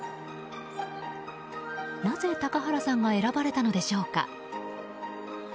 なぜ高原さんが選ばれたのでしょうか。